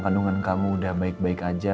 kandungan kamu udah baik baik aja